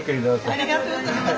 ありがとうございます。